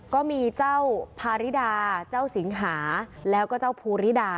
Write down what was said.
ก็มีเจ้าพาริดาเจ้าสิงหาแล้วก็เจ้าภูริดา